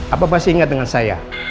apa masih ingat dengan saya